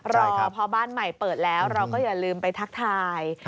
รอพอบ้านใหม่เปิดแล้วเราก็อย่าลืมไปทักทาย